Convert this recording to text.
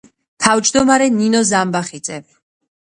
თავმჯდომარე ნინო ზამბახიძე.